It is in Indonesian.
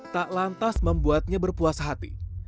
tak lantas membuatnya berpuas hati